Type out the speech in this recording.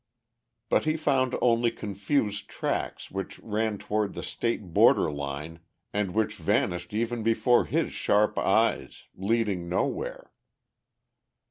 But he found only confused tracks which ran toward the state border line and which vanished before even his sharp eyes, leading nowhere.